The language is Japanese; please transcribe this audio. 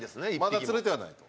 まだ釣れてはないと。